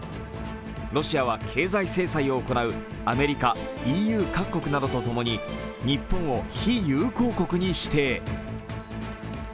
ロシアは経済制裁を行うアメリカ、ＥＵ各国などとともに、日本を非友好国に指定。